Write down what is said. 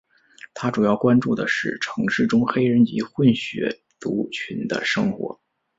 他主要关注的是城市中黑人及混血族群的生活。